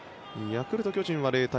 ヤクルト、巨人は０対０。